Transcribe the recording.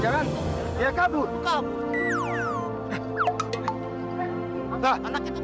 jangan jangan dia kabur